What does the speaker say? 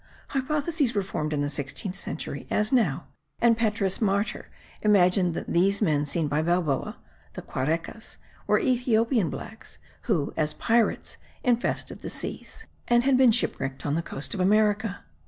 Hypotheses were formed in the sixteenth century, as now; and Petrus Martyr imagined that these men seen by Balboa (the Quarecas), were Ethiopian blacks who, as pirates, infested the seas, and had been shipwrecked on the coast of America.